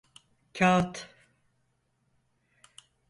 Kağıt…